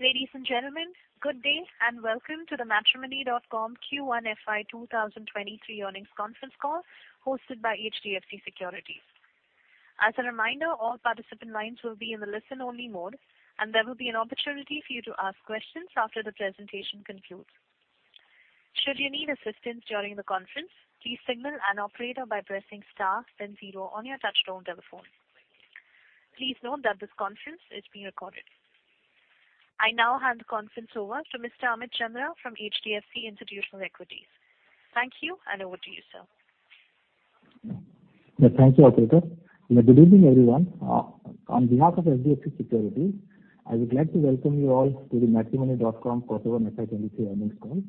Ladies and gentlemen, good day, and welcome to the Matrimony.com Q1 FY 2023 earnings conference call hosted by HDFC Securities. As a reminder, all participant lines will be in the listen-only mode, and there will be an opportunity for you to ask questions after the presentation concludes. Should you need assistance during the conference, please signal an operator by pressing star then zero on your touchtone telephone. Please note that this conference is being recorded. I now hand the conference over to Mr. Amit Chandra from HDFC Institutional Equities. Thank you, and over to you, sir. Yeah. Thank you, operator. Yeah, good evening, everyone. On behalf of HDFC Securities, I would like to welcome you all to the Matrimony.com quarter FY 2023 earnings call.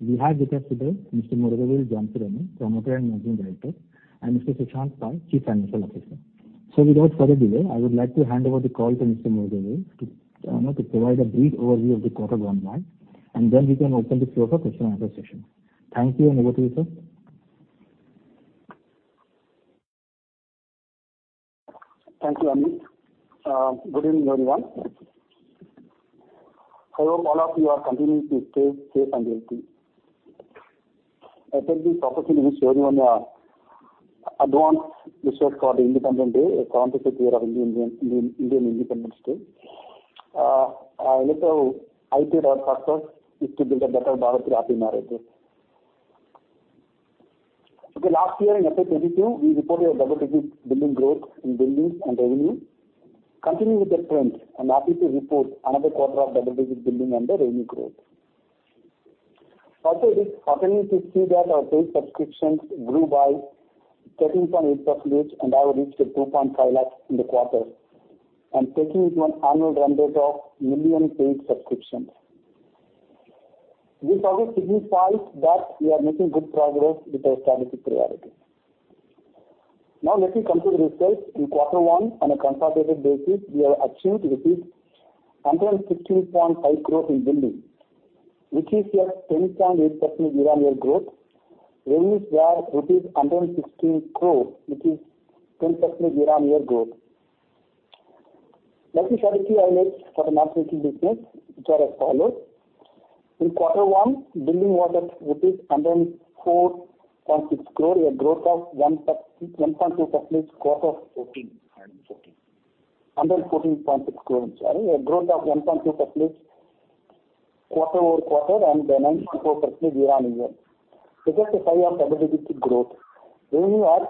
We have with us today Mr. Murugavel Janakiraman, Promoter and Managing Director, and Mr. Sushanth Pai, Chief Financial Officer. Without further delay, I would like to hand over the call to Mr. Murugavel to provide a brief overview of the quarter one results, and then we can open the floor for question and answer session. Thank you, and over to you, sir. Thank you, Amit. Good evening, everyone. I hope all of you are continuing to stay safe and healthy. Let me take this opportunity to wish everyone advance wishes for the Independence Day, 75th year of Indian independence day. Our purpose is to build a better Bharat through happy marriages. Last year in FY 2022, we reported a double-digit billing growth in billings and revenue. Continuing with that trend, I'm happy to report another quarter of double-digit billing and revenue growth. It is heartening to see that our paid subscriptions grew by 13.8% and have reached 2.5 lakh in the quarter and taking it to an annual run rate of million paid subscriptions. This all signifies that we are making good progress with our strategic priority. Now let me come to the results. In quarter one, on a consolidated basis, we have achieved INR 116.5 crores in billing, which is a 10.8% year-on-year growth. Revenues were rupees 160 crores, which is 10% year-on-year growth. Let me share the key highlights for the matchmaking business, which are as follows. In quarter one, billing was at INR 104.6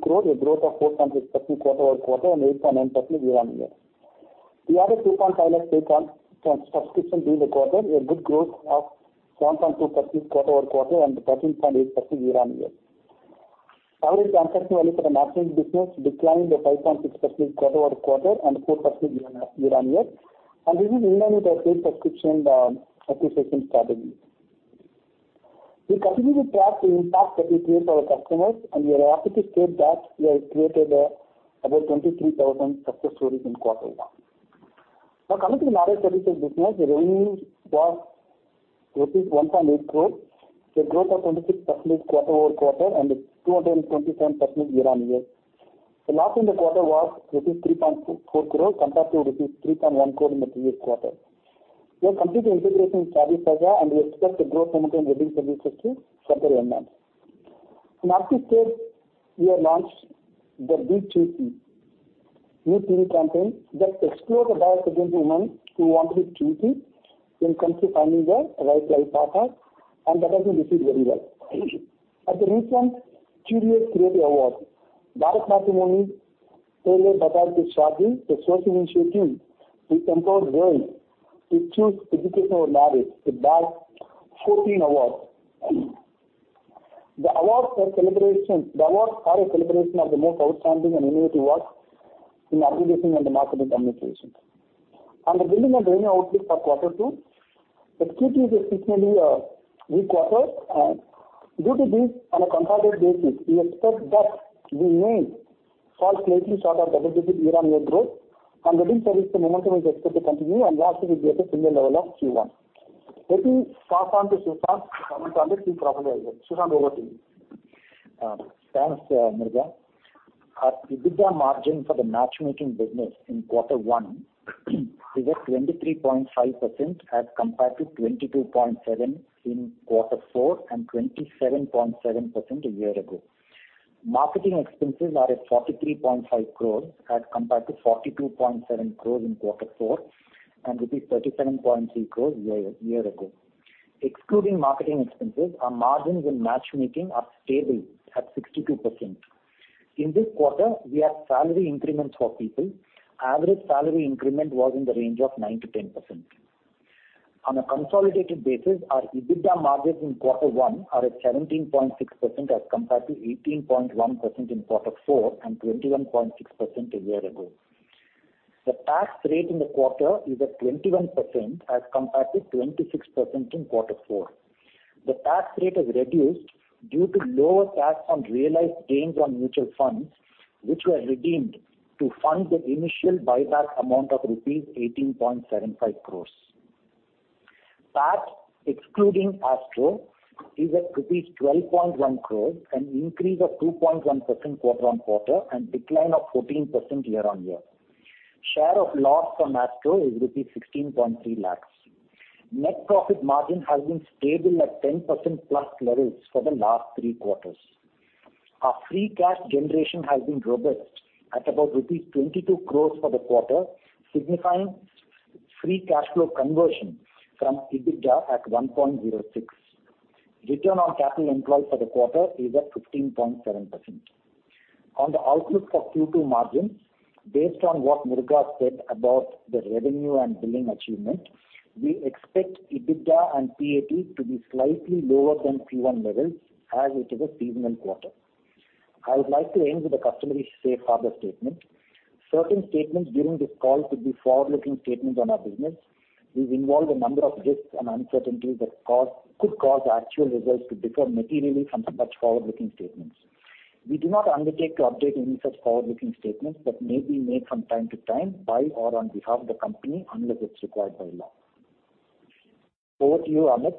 crore, a growth of 1.2% quarter-over-quarter and 9.4% year-on-year. This is a sign of double-digit growth. Revenue was INR 114.2 crore, a growth of 4.6% quarter-over-quarter and 8.9% year-on-year. We added INR 2.5 lakh paid subscriptions during the quarter, a good growth of 1.2% quarter-over-quarter and 13.8% year-on-year. Average transaction value for the matchmaking business declined by 5.6% quarter-over-quarter and 4% year-on-year. This is in line with our paid subscription acquisition strategy. We continue to track the impact that we create for our customers, and we are happy to state that we have created about 23,000 success stories in quarter one. Now coming to the marriage services business, the revenue was rupees 1.8 crore, a growth of 26% quarter-over-quarter and 227% year-on-year. The loss in the quarter was rupees 3.4 crores compared to rupees 3.1 crore in the previous quarter. We are completing integration with ShaadiSaga, and we expect the growth momentum in billing services to further enhance. I'm happy to state we have launched the Be Choosy new TV campaign that explores the bias against women who want to be choosy when it comes to finding the right life partner, and that has been received very well. At the recent Kyoorius Creative Awards, BharatMatrimony's "Khel Mein Batao Kis Shaadi" resource initiative to empower girls to choose education over marriage bagged 14 awards. The awards are a celebration of the most outstanding and innovative works in advertising and marketing communications. On the billing and revenue outlook for quarter two, Q2 is a seasonally weak quarter. Due to this, on a consolidated basis, we expect that we may fall slightly short of double-digit year-on-year growth, and billing services momentum is expected to continue and largely be at a similar level of Q1. Let me pass on to Sushanth to comment on the key profitability. Sushanth, over to you. Thanks, Murugavel. Our EBITDA margin for the matchmaking business in quarter one was 23.5% as compared to 22.7% in quarter four and 27.7% a year ago. Marketing expenses are at 43.5 crores as compared to 42.7 crores in quarter four and rupees 37.3 crores a year ago. Excluding marketing expenses, our margins in matchmaking are stable at 62%. In this quarter, we had salary increments for people. Average salary increment was in the range of 9%-10%. On a consolidated basis, our EBITDA margins in quarter one are at 17.6% as compared to 18.1% in quarter four and 21.6% a year ago. The tax rate in the quarter is at 21% as compared to 26% in quarter four. The tax rate has reduced due to lower tax on realized gains on mutual funds, which were redeemed to fund the initial buyback amount of rupees 18.75 crores. PAT excluding MatchAstro is at rupees 12.1 crore, an increase of 2.1% quarter-on-quarter and decline of 14% year-on-year. Share of loss from MatchAstro is rupees 16.3 lakh. Net profit margin has been stable at 10%+ levels for the last three quarters. Our free cash generation has been robust at about rupees 22 crore for the quarter, signifying free cash flow conversion from EBITDA at 1.06. Return on capital employed for the quarter is at 15.7%. On the outlook for Q2 margins, based on what Murugavel said about the revenue and billing achievement, we expect EBITDA and PAT to be slightly lower than Q1 levels as it is a seasonal quarter. I would like to end with a customary safe harbor statement. Certain statements during this call could be forward-looking statements on our business. These involve a number of risks and uncertainties that could cause actual results to differ materially from such forward-looking statements. We do not undertake to update any such forward-looking statements that may be made from time to time by or on behalf of the company unless it's required by law. Over to you, Amit.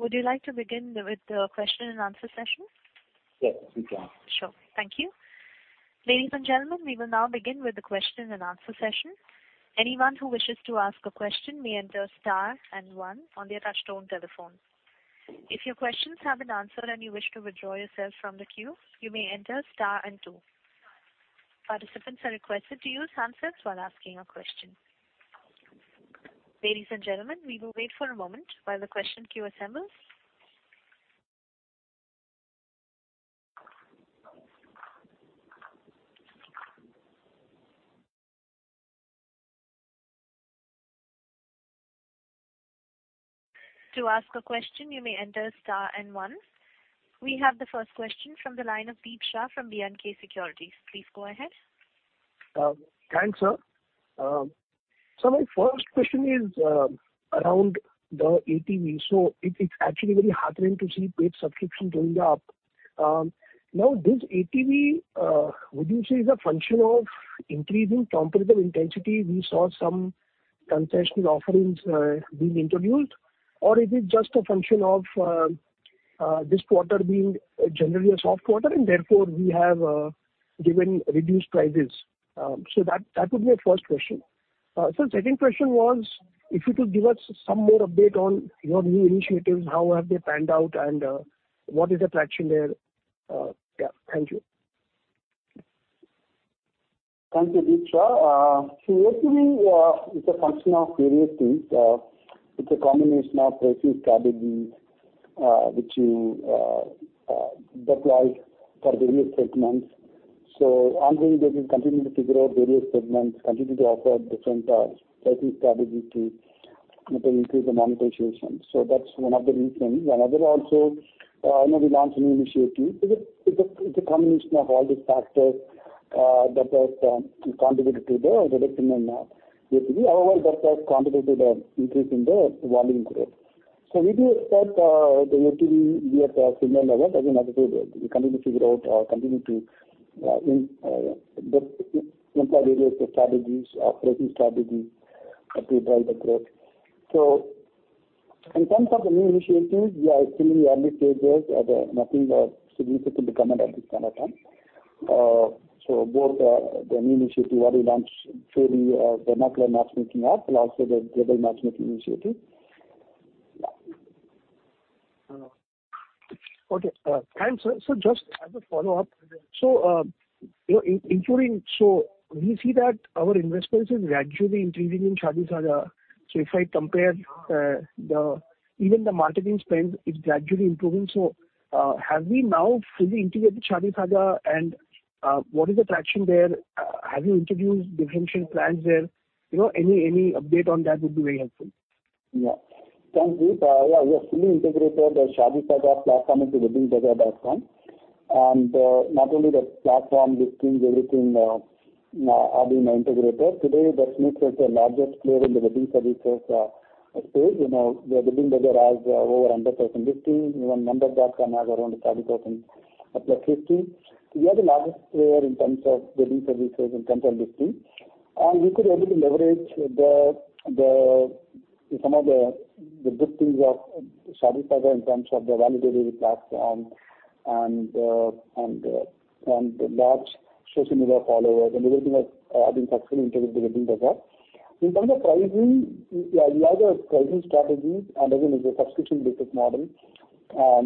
Would you like to begin with the question-and-answer session? Yes, we can. Sure. Thank you. Ladies and gentlemen, we will now begin with the question-and-answer session. Anyone who wishes to ask a question may enter star and one on their touchtone telephone. If your questions have been answered and you wish to withdraw yourself from the queue, you may enter star and two. Participants are requested to use handsets while asking a question. Ladies and gentlemen, we will wait for a moment while the question queue assembles. To ask a question, you may enter star and one. We have the first question from the line of Deep Shah from B&K Securities. Please go ahead. Thanks, sir. My first question is around the ATV. It is actually very heartening to see paid subscription going up. Now this ATV, would you say is a function of increasing competitive intensity? We saw some concessional offerings being introduced. Or is it just a function of this quarter being generally a soft quarter and therefore we have given reduced prices? That would be my first question. Second question was if you could give us some more update on your new initiatives, how have they panned out, and what is the traction there? Yeah. Thank you. Thank you, Deep Shah. ATV is a function of various things. It's a combination of pricing strategies, which you deploy for various segments. Ongoing basis, continue to figure out various segments, continue to offer different pricing strategy to, you know, increase the monetization. That's one of the reasons. Another also, you know, we launched a new initiative. It's a combination of all these factors that has contributed to the reduction in ATV. However, that has contributed an increase in the volume growth. We do expect the ATV be at a similar level. As you know, we continue to figure out, continue to deploy various strategies, operating strategies to drive the growth. In terms of the new initiatives, we are still in the early stages. There's nothing significant to comment at this point of time. Both the new initiative what we launched, Jodii, vernacular matchmaking app and also the global matchmaking initiative. Okay. Thanks, sir. Just as a follow-up. You know, we see that our investments is gradually increasing in ShaadiSaga. If I compare, even the marketing spend is gradually improving. Have we now fully integrated ShaadiSaga and what is the traction there? Have you introduced differential plans there? You know, any update on that would be very helpful. Yeah. Thank you. We have fully integrated the ShaadiSaga platform into WeddingBazaar.com. Not only the platform, listings, everything are being integrated. Today, that makes us the largest player in the wedding services space. You know, WeddingBazaar has over 100,000 listings. Even WedMeGood has around 30,000+ listings. We are the largest player in terms of wedding services in terms of listings. We could only leverage the some of the good things of ShaadiSaga in terms of the validated platform and the large social media followers and everything has been successfully integrated to WeddingBazaar. In terms of pricing, we have a pricing strategy, and again, it's a subscription-based model. Our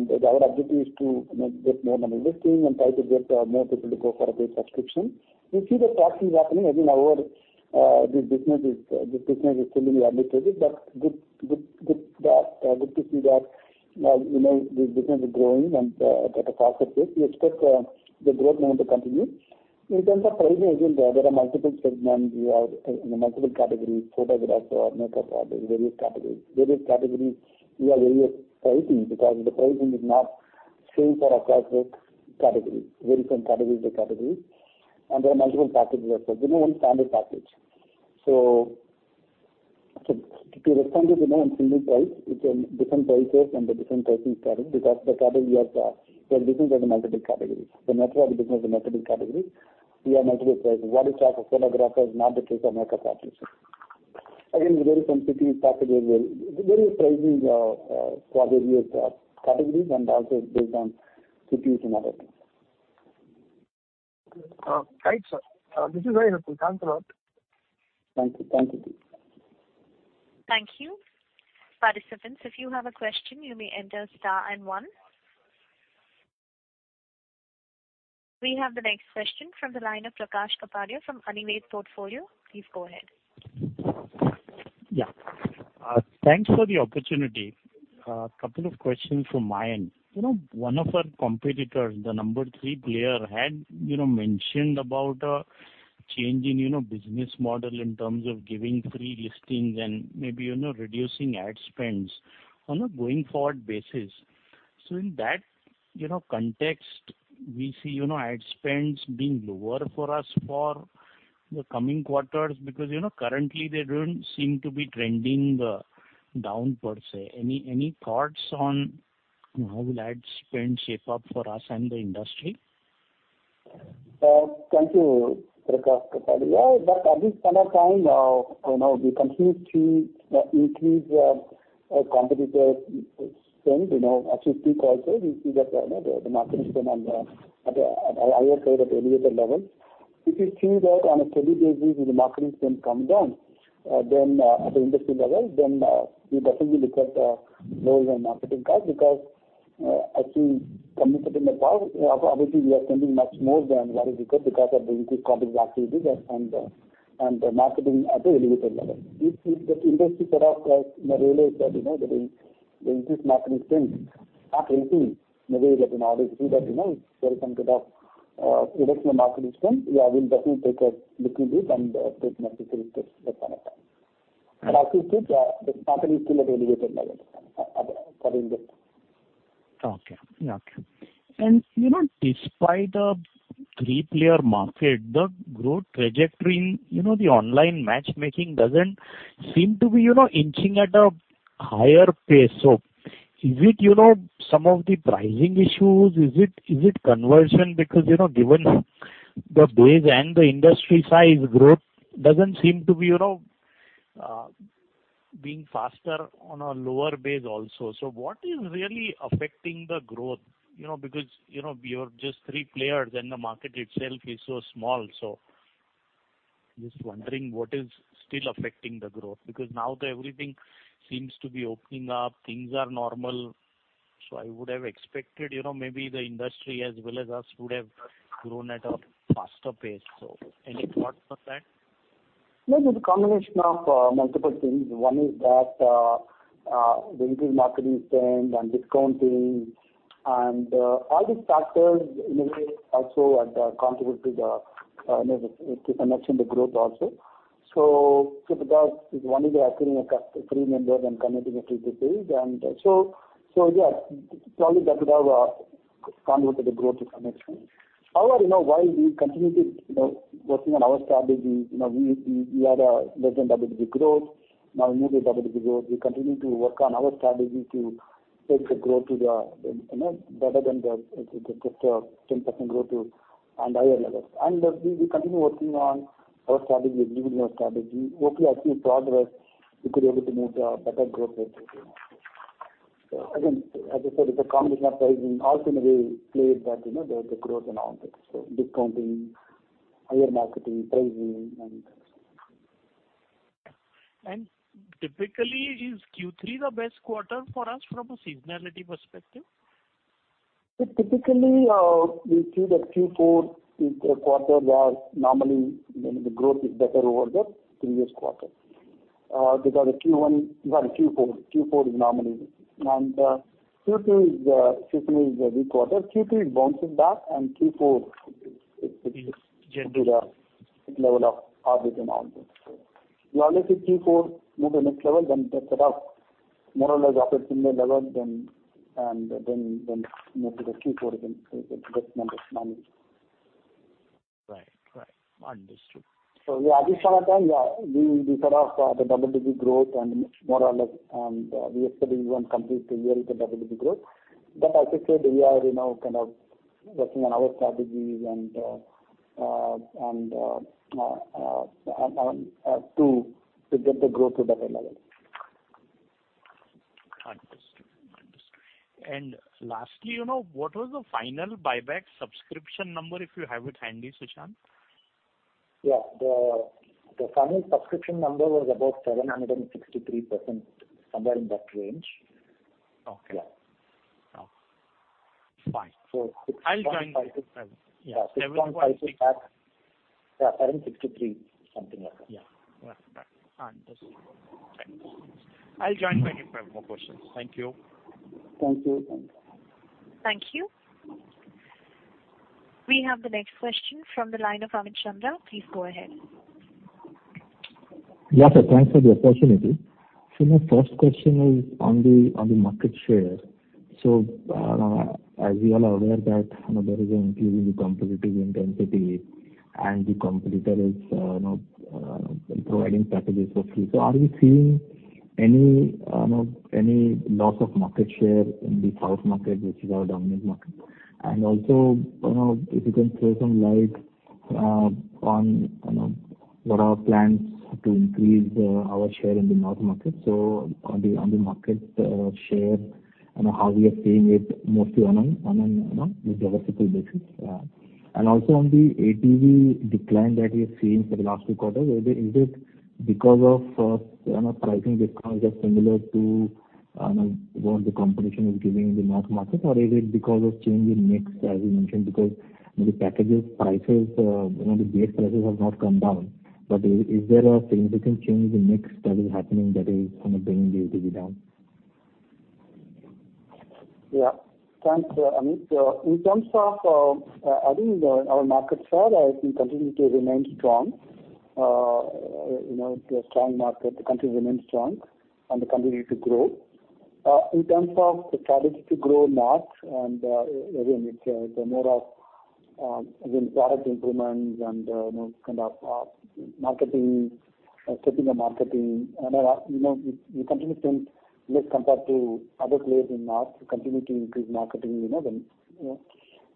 objective is to get more number listing and try to get more people to go for a paid subscription. We see the traction happening. I mean, our this business is still in the early stages. Good to see that, you know, this business is growing and at a faster pace. We expect the growth momentum to continue. In terms of pricing, again, there are multiple segments. We have multiple categories, photographers or makeup or the various categories. Various categories we have various pricing because the pricing is not same for across the categories. It varies from category to category. There are multiple packages as such. There's no one standard package. To respond to, you know, on single price, it's a different price points and the different pricing category. Because the category we are, we are business as a multiple categories. Matrimony business is a multiple category. We have multiple pricing. What is true for photographers is not the case for makeup artists. Again, there are some cities, categories where there is pricing for various categories and also based on cities and other things. Right, sir. This is very helpful. Thanks a lot. Thank you. Thank you. Thank you. Participants, if you have a question, you may enter star and one. We have the next question from the line of Prakash Kapadia from Anived Portfolio. Please go ahead. Yeah. Thanks for the opportunity. Couple of questions from my end. You know, one of our competitors, the number three player, had, you know, mentioned about a change in, you know, business model in terms of giving free listings and maybe, you know, reducing ad spends on a going forward basis. In that, you know, context, we see, you know, ad spends being lower for us for the coming quarters because, you know, currently they don't seem to be trending down per se. Any thoughts on how will ad spend shape up for us and the industry? Thank you, Prakash Kapadia. At this point of time, you know, we continue to increase our competitive spend at 50 crore. We see that, you know, the marketing spend at a higher side, at the elevated level. If we see that on a steady basis, the marketing spend come down, then at the industry level, we definitely look at lower marketing cost because I think competitive pressure, obviously we are spending much more than what is required because of the increased competition activities and the marketing at a elevated level. If the industry sort of, you know, realize that, you know, the increased marketing spend are helping in a way that, you know, obviously that, you know, there is some sort of reduction in marketing spend, yeah, we'll definitely take a look into it and take necessary steps at that point of time. As we said, the marketing is still at elevated levels for industry. Okay. You know, despite the three-player market, the growth trajectory in, you know, the online matchmaking doesn't seem to be, you know, inching at a higher pace. Is it, you know, some of the pricing issues? Is it conversion? Because, you know, given the base and the industry size, growth doesn't seem to be, you know, being faster on a lower base also. What is really affecting the growth? You know, because, you know, we are just three players and the market itself is so small. Just wondering what is still affecting the growth. Because now that everything seems to be opening up, things are normal. I would have expected, you know, maybe the industry as well as us would have grown at a faster pace. Any thoughts on that? Maybe the combination of multiple things. One is that the increased marketing spend and discounting and all these factors in a way also contribute to you know the reduction in the growth also. Because one is acquiring customers and converting it to paid. Yeah, probably that would have contributed to growth to some extent. However, you know, while we continue to you know working on our strategies, you know, we had a less than double-digit growth. Now we move to a double-digit growth. We continue to work on our strategy to take the growth to you know better than just the 10% growth to higher levels. We continue working on our strategy, improving our strategy, hope we are seeing progress. We were able to move to a better growth rate, you know. Again, as I said, it's a combination of pricing also in a way played that, you know, the growth and all that. Discounting, higher marketing, pricing and so on. Typically, is Q3 the best quarter for us from a seasonality perspective? Typically, we see that Q4 is a quarter where normally, you know, the growth is better over the previous quarter. Q2 is seasonally a weak quarter. Q3 it bounces back, and Q4 it. Yes. Do the level of profit and all this. We allow the Q4 move to next level, then test it out. More or less operates similar level then move to the Q4 again. It gets managed. Right. Right. Understood. At this point of time, we sort of the double-digit growth and more or less, and we expect even complete the year with a double-digit growth. As I said, we are, you know, kind of working on our strategies and to get the growth to better level. Understood. Lastly, you know, what was the final buyback subscription number, if you have it handy, Sushanth? Yeah. The final subscription number was about 763%, somewhere in that range. Okay. Yeah. Okay. Fine. So six point five six- I'll join you if you have. Yeah. 6.56 at- 7.6. Yeah, INR 763, something like that. Yeah. Got that. Understood. Thanks. I'll join back if I have more questions. Thank you. Thank you. Thank you. We have the next question from the line of Amit Chandra. Please go ahead. Yeah, sir. Thanks for the opportunity. My first question is on the market share. As we are all aware that there is an increase in the competitive intensity and the competitor is providing packages for free. Are we seeing any loss of market share in the south market, which is our dominant market? Also, you know, if you can throw some light on what are our plans to increase our share in the north market. On the market share and how we are seeing it mostly on a geographical basis. Also on the ATV decline that we are seeing for the last two quarters, is it because of, you know, pricing discounts are similar to what the competition is giving in the north market? Or is it because of change in mix, as you mentioned, because the packages prices, you know, the base prices have not come down. But is there a significant change in mix that is happening that is, you know, bringing the ATV down? Yeah. Thanks, Amit. In terms of, I think our market share, I think continue to remain strong. You know, it's a strong market. The country remains strong and the company to grow. In terms of the strategy to grow north and, again, it's more of, again, product improvements and, you know, kind of, marketing, stepping up marketing. You know, we continue to invest compared to other players in north to continue to increase marketing, you know, then, you know.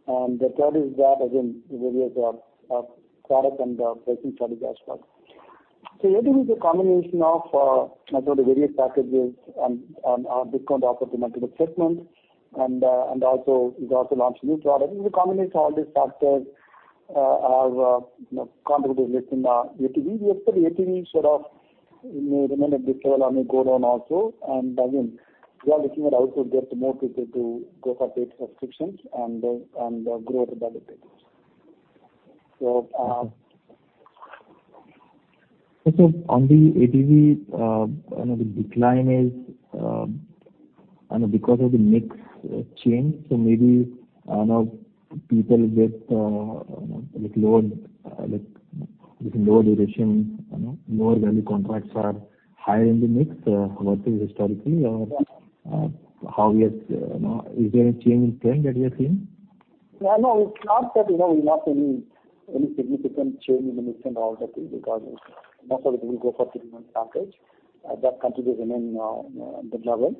The third is that again, the various, product and pricing strategy as well. I think it's a combination of, you know, the various packages and discount offered in multiple segments and also we've launched new products. If we combine all these factors, you know, competitiveness in the ATV, we expect the ATV sort of may remain at this level or may go down also. Again, we are looking at how to get more people to go for paid subscriptions and grow other value packages. On the ATV, you know, the decline is, you know, because of the mix change. Maybe more people with lower duration, you know, lower value contracts are higher in the mix versus historically. Yeah. How we are, you know, is there any change in trend that we are seeing? No, no, it's not that, you know, we've not seen any significant change in the mix and all that thing because most of the people go for three-month package. That continues to remain at that level.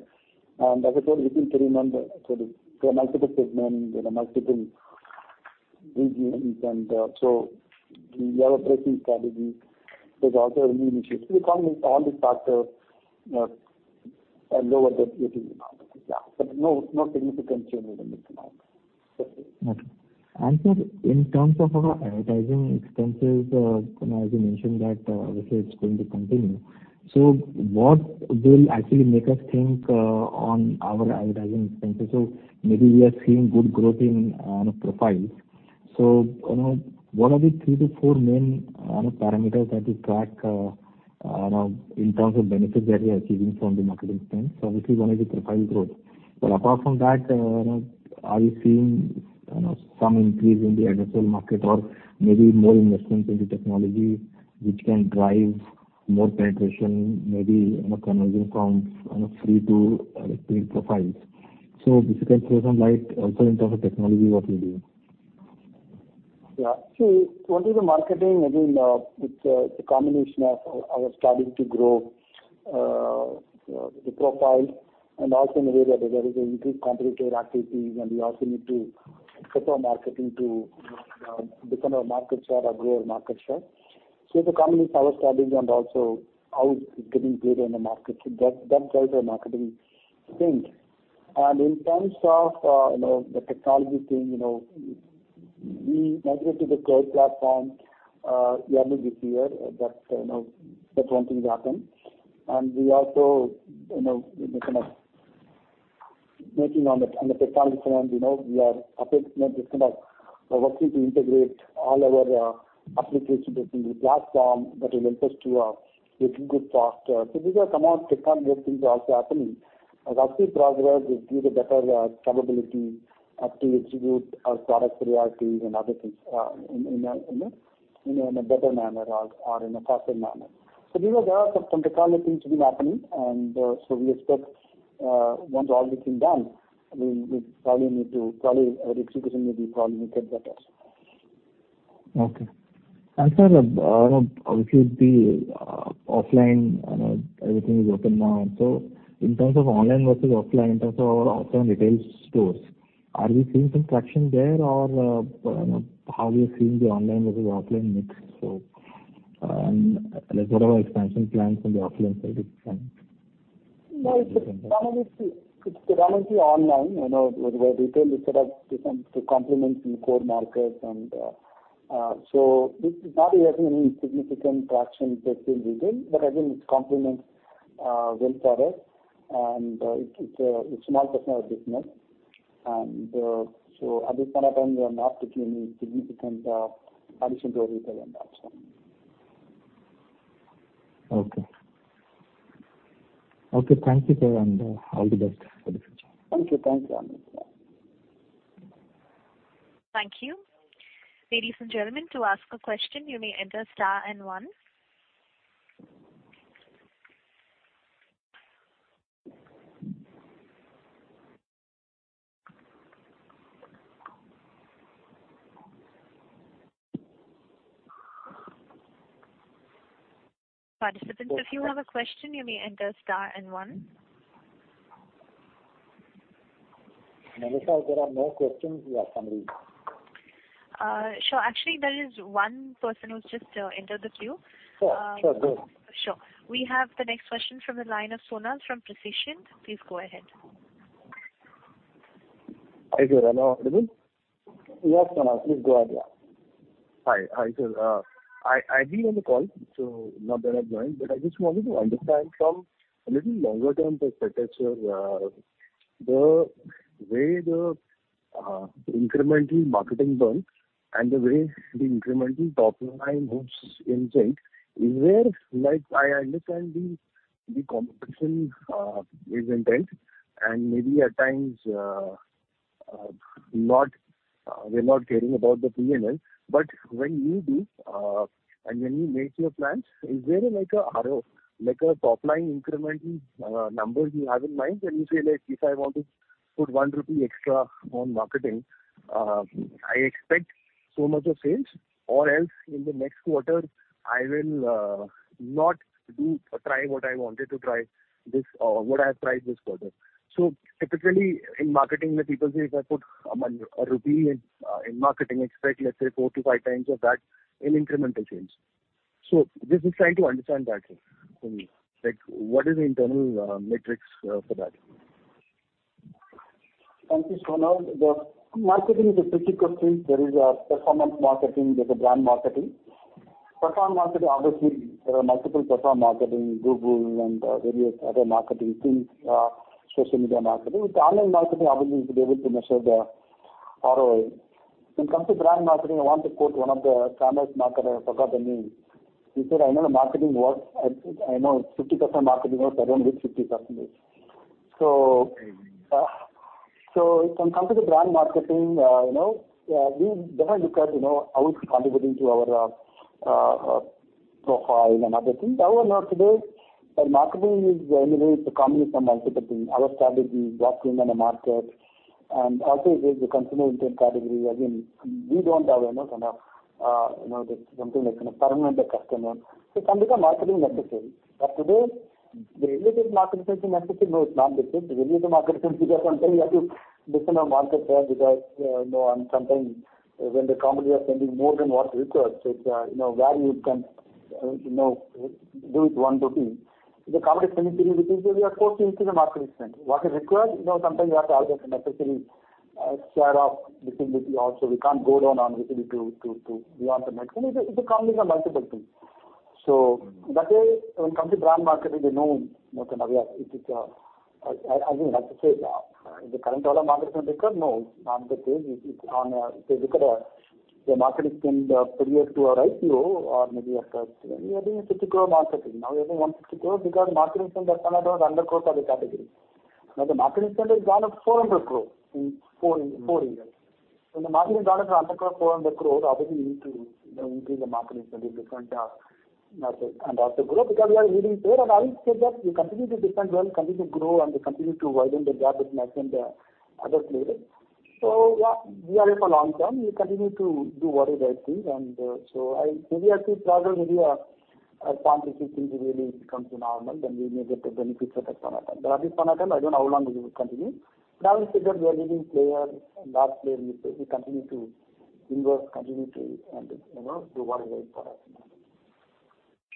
As I told you, we continue to remain sort of there are multiple segments, you know, multiple regions and so we have a pricing strategy. There's also a new initiative. We combine all these factors, you know, and lower the ATV amount. Yeah. No, no significant change in the mix now. Okay. Sir, in terms of our advertising expenses, you know as you mentioned that, obviously it's going to continue. What will actually make us think on our advertising expenses? Maybe we are seeing good growth in profiles. You know, what are the three to four main parameters that you track in terms of benefits that we are achieving from the marketing spend? Obviously one is the profile growth. But apart from that, are you seeing, you know, some increase in the addressable market or maybe more investments in the technology which can drive more penetration, maybe, you know, converting from, you know, free to paid profiles? If you can throw some light also in terms of technology, what we're doing. Yeah. See, what is the marketing again? It's a combination of our strategy to grow the profile and also in a way that there is an increased competitive activity and we also need to step up marketing to, you know, defend our market share or grow our market share. It's a combination of our strategy and also how is getting played in the market. That drives our marketing spend. In terms of the technology thing, you know, we migrate to the cloud platform early this year. That one thing happened. We also, you know, we've been kind of working on the technology front, you know, we're working to integrate all our applications within the platform that will help us to make good faster. These are some of the technology things are also happening. As our team progresses, we give a better capability to execute our product priorities and other things in a better manner or in a faster manner. These are some technology things which is happening. We expect, once all this is done, I mean, our execution may get better. Okay. Sir, you know, with the offline, you know, everything is open now. In terms of online versus offline, in terms of our offline retail stores, are we seeing some traction there or, you know, how we are seeing the online versus offline mix? What are our expansion plans in the offline side this time? No, it's predominantly online. You know, with the retail we sort of just want to complement in core markets and, so it's not we are seeing any significant traction just in retail, but again it complements well for us and, it's a small personal business. At this point of time we are not looking any significant addition to our retail and offline. Okay. Okay, thank you, sir, and all the best for the future. Thank you. Thank you, Amit. Thank you. Ladies and gentlemen, to ask a question, you may enter star and one. Participants, if you have a question, you may enter star and one. Melissa, there are no questions we have currently. Sure. Actually, there is one person who's just entered the queue. Sure, sure. Go. Sure. We have the next question from the line of Sonal from Prescient. Please go ahead. Hi, sir. Am I audible? Yes, Sonal. Please go ahead. Yeah. Hi. Hi, sir. I agree on the call, so not that I've joined, but I just wanted to understand from a little longer-term perspective, the way the incremental marketing burn and the way the incremental top-line hopes in sales is where like I understand the competition is intense and maybe at times, not, we're not caring about the P&L. When you do and when you make your plans, is there like a ROI, like a top-line incremental number you have in mind when you say, like, if I want to put 1 rupee extra on marketing, I expect so much of sales or else in the next quarter I will not do or try what I wanted to try this or what I have tried this quarter. Typically in marketing where people say if I put a rupee in marketing, expect let's say 4-5 times of that in incremental sales. Just trying to understand that thing from you. Like what is the internal metrics for that? Thank you, Sonal. The marketing is a tricky question. There is performance marketing, there's brand marketing. Performance marketing, obviously, there are multiple performance marketing, Google and various other marketing things, social media marketing. With online marketing, obviously we'll be able to measure the ROI. When it comes to brand marketing, I want to quote one of the famous marketer, I forgot the name. He said, "I know the marketing works. I know 50% marketing works, I don't know which 50% is." When it comes to the brand marketing, you know, we definitely look at, you know, how it's contributing to our profile and other things. However, today the marketing is anyway it's a combination of multiple things. Our strategy, what's going on in the market, and also is the consumer intent category. Again, we don't have, you know, kind of, you know, this something like a permanent customer. Sometimes marketing necessary. Today the related marketing necessary, no it's not necessary. We need the marketing because sometimes you have to defend our market share because, you know, and sometimes when the company are spending more than what's required so it's, you know, where you can, you know, do with 1. If the company is spending INR 3, we are forced to increase the marketing spend. What is required? You know, sometimes you have to argue it's a necessary share of visibility also. We can't go down on visibility to beyond a point. It's a combination of multiple things. That way when it comes to brand marketing, you know, kind of, it is again I have to say, in the current digital marketing is bigger? No, it's not the case. It's on a par if you look at the marketing spend prior to our IPO or maybe after, we are doing INR 60 crore marketing. Now we are doing INR 150 crores because marketing spend that time was undergoing growth as a category. Now the marketing spend has gone up 400 crore in four years. When the marketing has gone up from under 400 crore, obviously we need to, you know, increase the marketing spend in different market and also grow because we are leading player and I will say that we continue to defend well, continue to grow and continue to widen the gap with next and the other players. Yeah, we are here for long term. We continue to do whatever I think and. Maybe I see travel, maybe, some restrictions really comes to normal then we may get the benefits at that point in time. At this point in time I don't know how long it will continue. I will say that we are leading player and large player in this space. We continue to invest and, you know, do whatever is for us in marketing.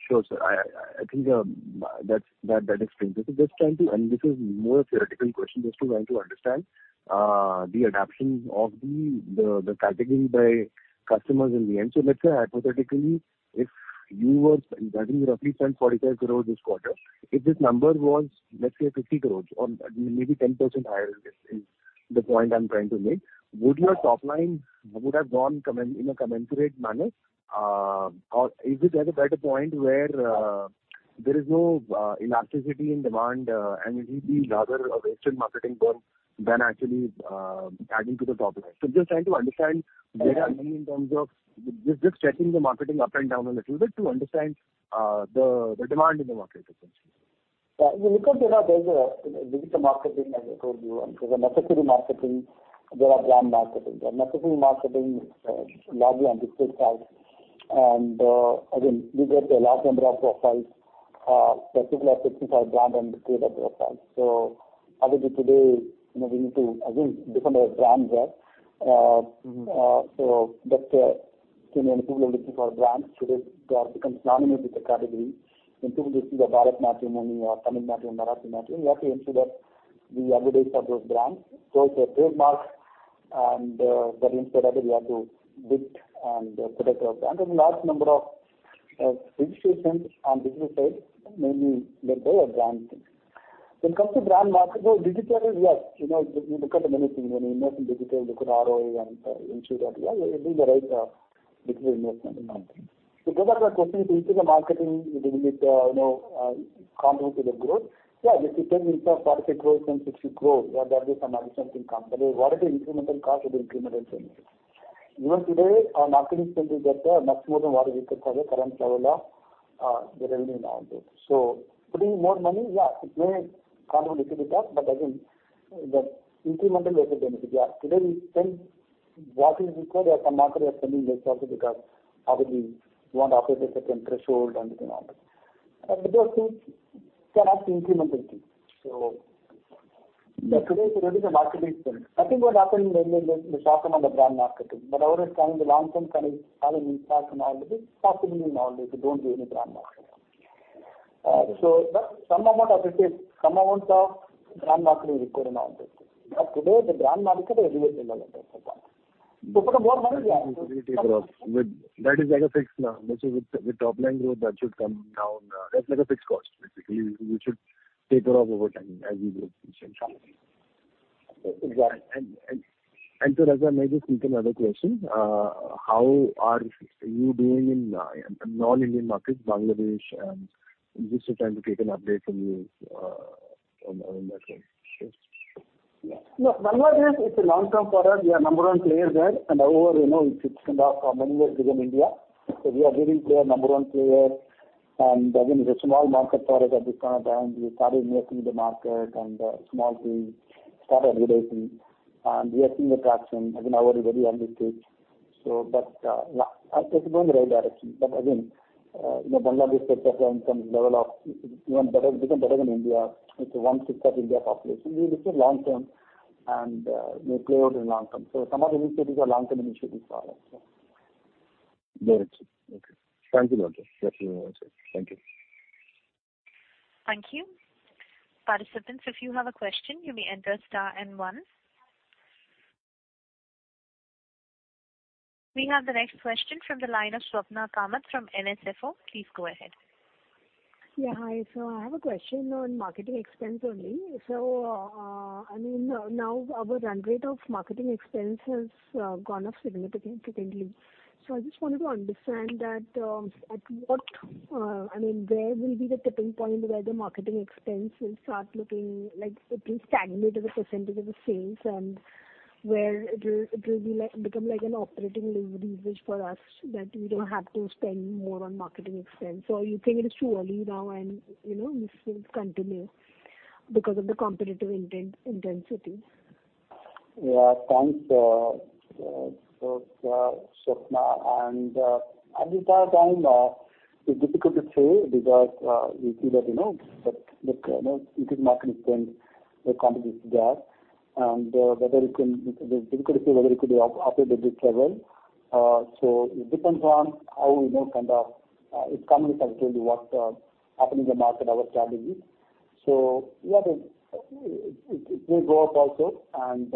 Sure, sir. I think that explains it. This is more a theoretical question just trying to understand the adoption of the category by customers in the end. Let's say hypothetically if you were spending roughly 45 crores this quarter. If this number was, let's say, 50 crores or maybe 10% higher, that is the point I'm trying to make. Would your top line have gone in a commensurate manner? Or is it at a better point where there is no elasticity in demand, and it will be rather a wasted marketing burn than actually adding to the top line? Just trying to understand where are you in terms of just stretching the marketing up and down a little bit to understand the demand in the market essentially. We look at, you know, digital marketing as I told you. There's performance marketing, there is brand marketing. The performance marketing is largely on display side. Again we get a large number of profiles, particularly 55 brands and creator profiles. So obviously today, you know, we need to again defend our brand there. When people are looking for brands today, becomes synonymous with the category. When people look to the BharatMatrimony or TamilMatrimony or MarathiMatrimony, we have to ensure that we are the face of those brands. It's a trademark and that means that we have to bid and protect our brand. There's a large number of registrations on digital side, mainly led by our brand team. When it comes to brand marketing, digital is yes, you know, you look at many things when you invest in digital, look at ROI and ensure that we're doing the right digital investment in branding. Whether the question is into the marketing, it will contribute to the growth. If you tell me for INR 40 crore and INR 60 crore, that is some additional income. What is the incremental cost of the incremental changes? Even today, our marketing spend is at a much more than what we could cover the current level of, the revenue now. Putting more money, it may contribute to the cost, but again, the incremental benefit. Today we spend what is required. As a marketer, you're spending less also because obviously you want to operate a certain threshold and everything else. Those things can have the incremental things. Today, if you look at the marketing spend, I think what happened in the short-term on the brand marketing. Over a time, the long-term kind of starting to impact now, possibly now, if you don't do any brand marketing. Some amount of it is, some amount of brand marketing is required in all this. Today, the brand marketing is everywhere in the country for that. Put more money, yeah. It will taper off. That is like a fixed number. With top line growth, that should come down. That's like a fixed cost, basically. We should taper off over time as we grow essentially. Exactly. Raja, may I just ask you another question? How are you doing in non-Indian markets, Bangladesh? Just trying to take an update from you on that front. Sure. Yeah. No, Bangladesh, it's a long-term product. We are number one players there. However, you know, it's kind of in many ways bigger than India. We are leading player, number one player. Again, it's a small market for us at this point of time. We started making the market and small things start aggregating. We are seeing attraction. Again, however, very early stage. Yeah, it's going in the right direction. Again, you know, Bangladesh per capita income level is even better, become better than India. It's 1/6 of India population. We look at long-term and we play out in long-term. Some of the initiatives are long-term initiatives for us. Got it. Okay. Thank you, Murugavel Janakiraman. Thank you very much, sir. Thank you. Thank you. Participants, if you have a question, you may enter star and one. We have the next question from the line of Swapna Kamath from [NSFO]. Please go ahead. Yeah. Hi. I have a question on marketing expense only. I mean, now our run rate of marketing expense has gone up significantly. I just wanted to understand that, I mean, where will be the tipping point where the marketing expense will start looking like it will stagnate as a percentage of the sales and where it will become like an operating leverage for us that we don't have to spend more on marketing expense. You think it is too early now and, you know, this will continue because of the competitive intensity? Yeah. Thanks, Swapna. At this point of time, it's difficult to say because we feel that, you know, increased marketing spend, the company is there. Whether it can. It's difficult to say whether it could be operating at this level. It depends on how, you know, kind of, it's coming in terms of really what's happening in the market, our strategy. Yeah, it will go up also and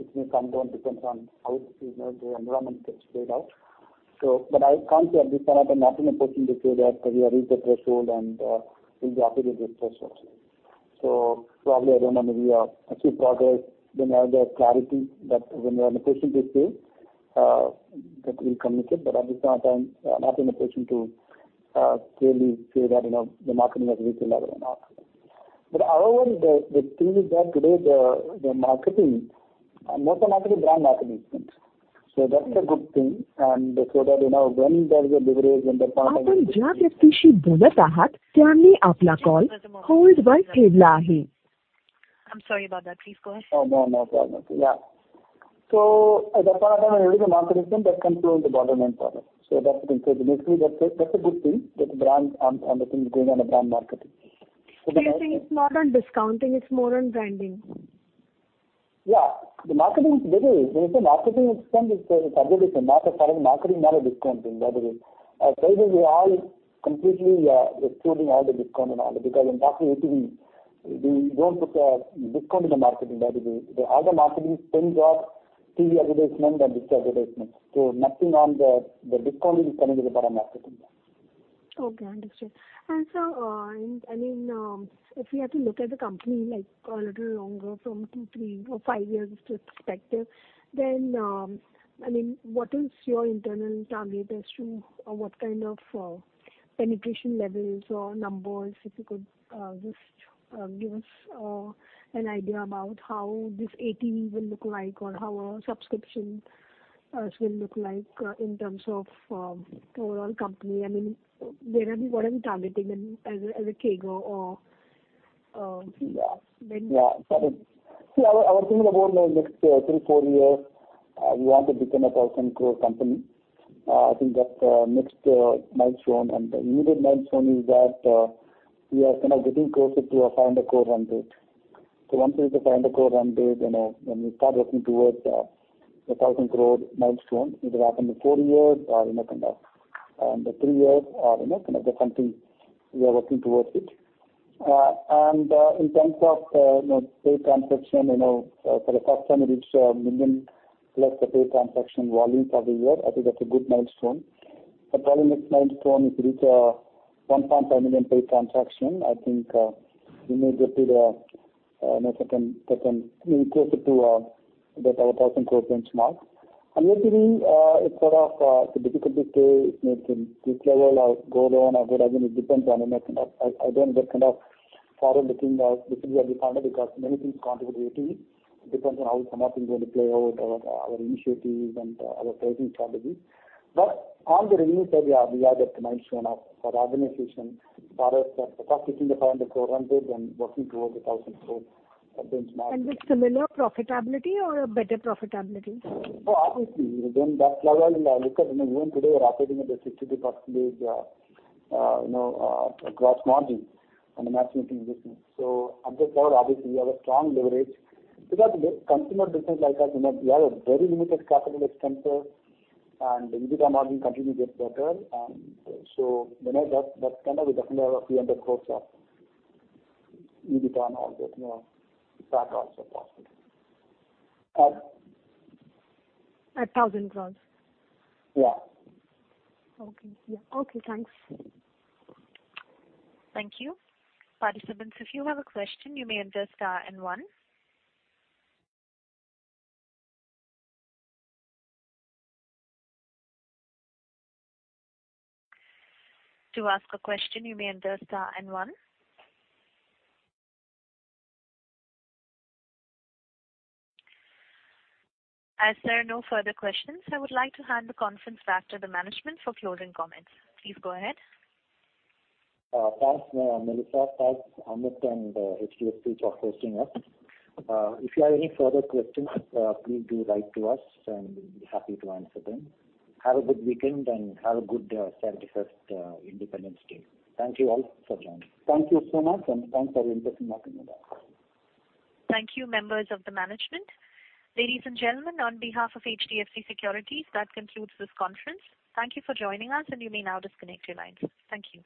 it may come down, depends on how, you know, the environment gets played out. But I can't say at this point, I'm not in a position to say that, because we have reached the threshold and it'll be operating this threshold. Probably, I don't know, maybe, as we progress, then I'll get clarity that when we're in a position to say that we'll communicate. At this point of time, I'm not in a position to clearly say that, you know, the marketing has reached a level or not. However, the thing is that today the marketing, more than marketing, brand marketing expense. That's a good thing. That, you know, when there is a leverage and the part of Just for the moment. I'm sorry about that. Please go ahead. Oh, no problem. Yeah. As I said, when you look at marketing spend, that controls the bottom line profit. That's been said. Basically, that's a good thing that the brand and the things going on the brand marketing. You're saying it's not on discounting, it's more on branding. When you say marketing expense, it's very different. Not a part of the marketing nor discounting, by the way. By the way, we are completely excluding all the discount and all that. Because when talking ATVs, we don't put a discount in the marketing, by the way. All the marketing spends are TV advertisement and digital advertisement. Nothing on the discounting is coming to the part of marketing. Okay, understood. I mean, if we had to look at the company like a little longer from 2, 3, or 5 years perspective, then, I mean, what is your internal target as to what kind of penetration levels or numbers, if you could just give us an idea about how this ATV will look like or how our subscriptions will look like in terms of overall company. I mean, where are we? What are we targeting in as a, as a CAGR or when? Yeah. Yeah. Sorry. See, our thinking about the next 3-4 years, we want to become an 1,000 crore company. I think that's the next milestone. The immediate milestone is that we are kind of getting closer to an INR 500 crore run rate. Once we hit the INR 500 crore run rate, you know, then we start working towards the 1,000 crore milestone. It'll happen in four years or, you know, kind of, three years or, you know, kind of the company we are working towards it. In terms of, you know, paid transaction, you know, for the first time we reached 1 million+ paid transaction volume for the year. I think that's a good milestone. Probably next milestone, if we reach 1.5 million paid transaction. We're closer to our 1,000 crore benchmark. ATVs, it's sort of difficult to say. It may stay at this level or go down or go up. I mean, it depends on. I mean, I don't get kind of forward-looking or this is where we are going to be because many things contribute to ATV. It depends on how some things are going to play out, our initiatives and our pricing strategies. On the revenue side, yeah, we are definitely strong enough organization for us across INR 15-INR 500 crore range and working towards a 1,000 crore benchmark. With similar profitability or a better profitability? Oh, obviously. That level, I mean, look at, I mean, even today we are operating at a 60+ stage, you know, gross margin on the matchmaking business. At that level, obviously we have a strong leverage. Consumer business like us, you know, we have a very limited capital expenditure, and the EBITDA margin continue to get better. That, that's kind of we definitely have a few hundred crores of EBITDA and all that, you know, PAT also possible. INR 1,000 crore? Yeah. Okay. Yeah. Okay, thanks. Thank you. Participants, if you have a question, you may enter star and one. To ask a question, you may enter star and one. As there are no further questions, I would like to hand the conference back to the management for closing comments. Please go ahead. Thanks, Melissa. Thanks, Amit, and HDFC for hosting us. If you have any further questions, please do write to us and we'll be happy to answer them. Have a good weekend, and have a good 71st Independence Day. Thank you all for joining. Thank you so much, and thanks for your interest in Matrimony.com. Thank you, members of the management. Ladies and gentlemen, on behalf of HDFC Securities, that concludes this conference. Thank you for joining us, and you may now disconnect your lines. Thank you.